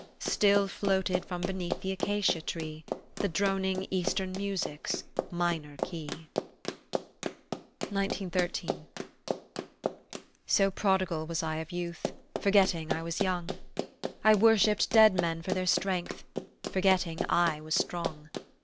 Still floated from beneath the acacia tree The droning Eastern music's minor key. MCMXIII SO prodigal was I of youth, Forgetting I was young; I worshipped dead men for their strength, Forgetting I was strong.